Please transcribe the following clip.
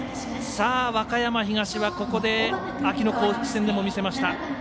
和歌山東はここで秋の公式戦でも見せました